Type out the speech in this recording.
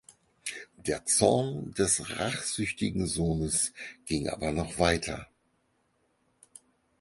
Der Zorn des rachsüchtigen Sohnes ging aber noch weiter.